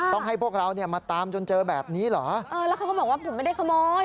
ต้องให้พวกเราเนี่ยมาตามจนเจอแบบนี้เหรอเออแล้วเขาก็บอกว่าผมไม่ได้ขโมย